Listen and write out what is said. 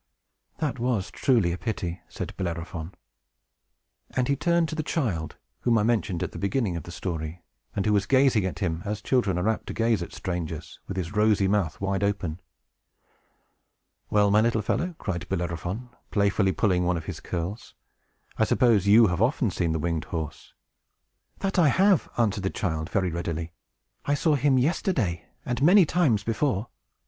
"That was truly a pity!" said Bellerophon. And he turned to the child, whom I mentioned at the beginning of the story, and who was gazing at him, as children are apt to gaze at strangers, with his rosy mouth wide open. "Well, my little fellow," cried Bellerophon, playfully pulling one of his curls, "I suppose you have often seen the winged horse." "That I have," answered the child, very readily. "I saw him yesterday, and many times before."